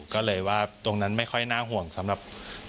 ก็เลยว่าตรงนั้นไม่ค่อยน่าห่วงสำหรับภายในมากเท่าไหร่ครับ